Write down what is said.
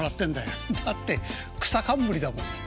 「だって草かんむりだもん」。